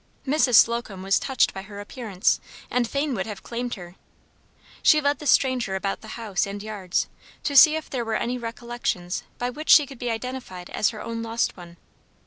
Mrs. Slocum was touched by her appearance, and fain would have claimed her. She led the stranger about the house and yards to see if there were any recollections by which she could be identified as her own lost one.